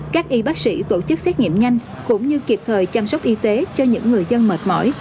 các y bác sĩ tổ chức xét nghiệm nhanh cũng như kịp thời chăm sóc y tế cho những người dân mệt mỏi